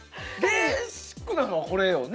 ベーシックなのはこれよね。